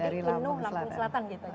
jadi inuh lampung selatan gitu